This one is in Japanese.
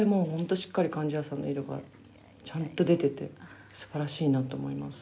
しっかり貫地谷さんの色がちゃんと出ててすばらしいなと思います。